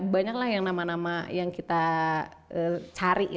banyak lah yang nama nama yang kita catakan